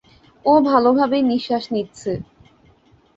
ও ভালোভাবেই নিশ্বাস নিচ্ছে।